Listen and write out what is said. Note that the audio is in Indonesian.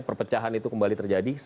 perpecahan itu kembali terjadi